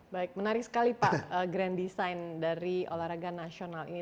baik menarik sekali pak grand design dari olahraga nasional ini